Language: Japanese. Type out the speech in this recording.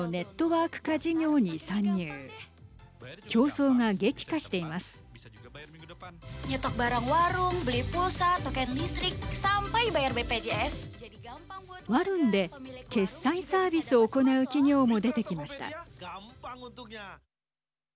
ワルンで決済サービスを行う企業も出てきました。